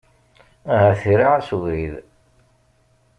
Ahat iraɛ-as ubrid.